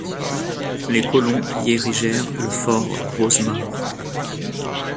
Ces colons y érigèrent le fort Rosemar.